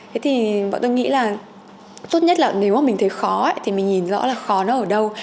thế thì bọn tôi nghĩ là tốt nhất là nếu mà mình thấy khó thì mình nhìn rõ là khó nó ở đâu